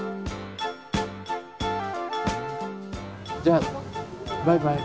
じゃバイバイ。